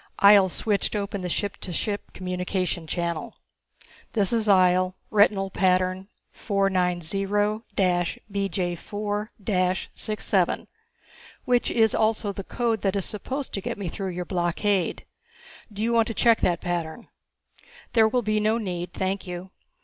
Ihjel switched open the ship to ship communication channel. "This is Ihjel. Retinal pattern 490 BJ4 67 which is also the code that is supposed to get me through your blockade. Do you want to check that pattern?" "There will be no need, thank you.